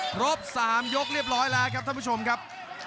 ครบ๓ยกเรียบร้อยแล้วครับท่านผู้ชมครับ